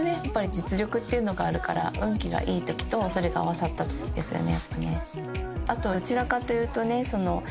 実力っていうのがあるから運気がいいときとそれが合わさったときですよね。